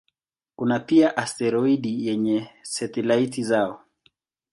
Kuna pia asteroidi zenye satelaiti zao.